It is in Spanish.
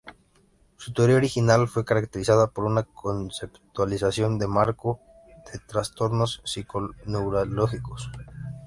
Su teoría original fue caracterizada por una conceptualización de marco de los trastornos psico-neurológicos.